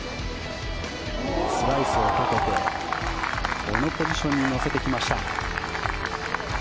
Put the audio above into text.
スライスをかけてこのポジションに乗せてきました。